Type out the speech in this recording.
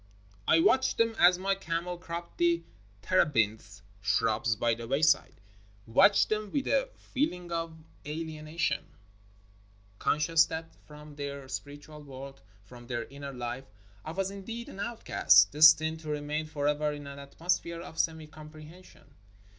I watched them as my camel cropped the terebinth shrubs by the wayside — watched them with a feeling of 345 NORTHERN AFRICA alienation, conscious that from their spiritual worid, from their inner life, I was indeed an outcast, destined to remain forever in an atmosphere of semi comprehen sion.